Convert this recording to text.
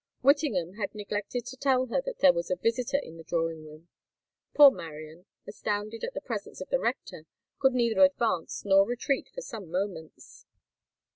Whittingham had neglected to tell her that there was a visitor in the drawing room. Poor Marian, astounded at the presence of the rector, could neither advance nor retreat for some moments.